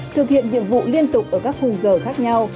thực hiện nhiệm vụ liên tục ở các khung giờ khác nhau